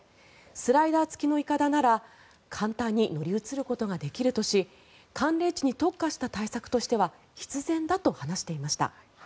スライダー付きのいかだなら簡単に乗り移ることができるとし寒冷地に特化した対策としては必然だと話していました。